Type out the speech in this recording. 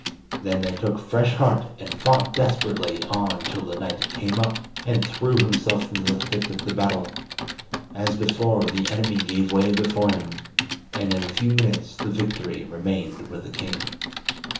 Then they took fresh heart and fought desperately on till the knight came up, and threw himself into the thick of the battle. As before, the enemy gave way before him, and in a few minutes the victory remained with the king.